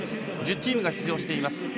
１０チームが出場しています。